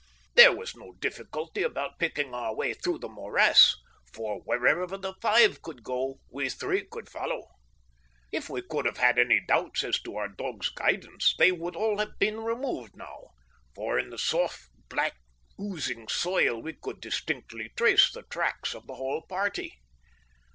There was no difficulty about picking our way through the morass, for wherever the five could go we three could follow. If we could have had any doubts as to our dog's guidance they would all have been removed now, for in the soft, black, oozing soil we could distinctly trace the tracks of the whole party.